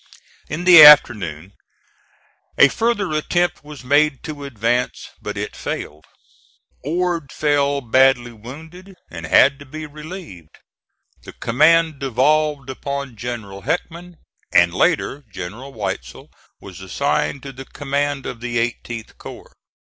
In the afternoon a further attempt was made to advance, but it failed. Ord fell badly wounded, and had to be relieved; the command devolved upon General Heckman, and later General Weitzel was assigned to the command of the 18th corps.